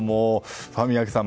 宮家さん